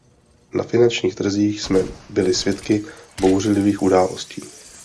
Na finančních trzích jsme byli svědky bouřlivých událostí.